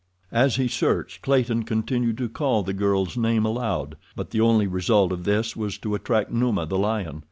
As he searched, Clayton continued to call the girl's name aloud, but the only result of this was to attract Numa, the lion.